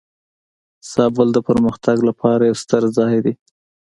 زابل د پرمختګ لپاره یو ستر ځای دی.